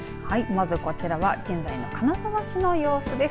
まずこちらは現在の金沢市の様子です。